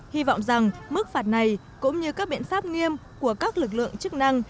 hy vọng rằng mức phạt này cũng như các biện pháp nghiêm của các lực lượng chức năng